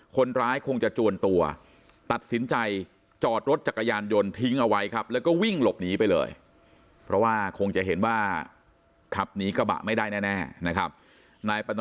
คนร้ายก็เลยตัดสินใจทิ้งจักรยานยนต์เอาไว้แล้วก็วิ่งหนีไปจากนู้นดอนหัวล่อมาถึงพานทองสภพทองเข้ามาตรวจสอบที่เกิดเหตุ